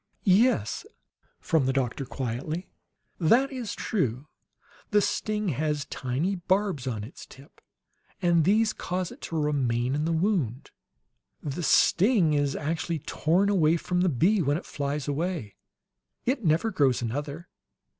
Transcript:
"Yes," from the doctor, quietly. "That is true. The sting has tiny barbs on its tip, and these cause it to remain in the wound. The sting is actually torn away from the bee when it flies away. It never grows another.